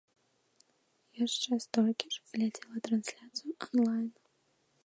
Яшчэ столькі ж глядзела трансляцыю анлайн.